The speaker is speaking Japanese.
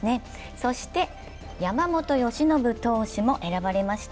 そして山本由伸投手も選ばれました。